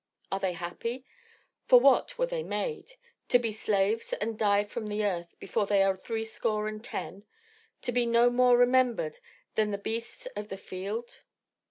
Are they happy? For what were they made? To be slaves and die from the earth before they are threescore and ten, to be no more remembered than the beasts of the field?"